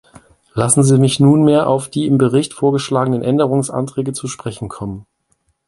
Lassen Sie mich nunmehr auf die in dem Bericht vorgeschlagenen Änderungsanträge zu sprechen kommen.